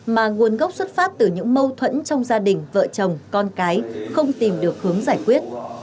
mà nguồn gốc xuất phát từ những mâu thuẫn trong gia đình vợ chồng con cái không tìm được hướng giải quyết